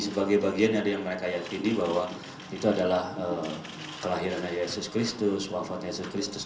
sebagai bagian dari yang mereka yakini bahwa itu adalah kelahiran dari yesus kristus